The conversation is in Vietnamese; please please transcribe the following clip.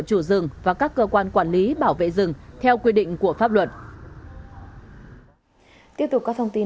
chủ rừng và các cơ quan quản lý bảo vệ rừng theo quy định của pháp luật tiếp tục các thông tin